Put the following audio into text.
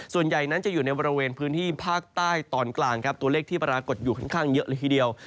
ส่วนใหญ่นั้นจะอยู่ในบริเวณพื้นที่ภาคใต้ตอนกลางครับตัวเลขที่ปรากฏอยู่ค่อนข้างเยอะเลยทีเดียว